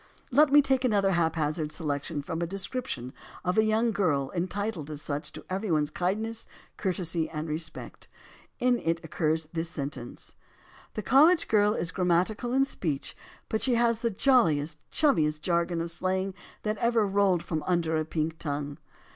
Let me take another haphazard selection from a description of a young girl entitled as such to every one's kindness, courtesy, and respect. In it occurs this sentence: "The college girl is grammatical in speech, but she has the j oiliest, chummiest jargon of slang that ever rolled from under a pink tongue."